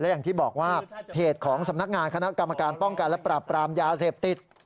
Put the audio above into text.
อย่างที่บอกว่าเพจของสำนักงานคณะกรรมการป้องกันและปรับปรามยาเสพติด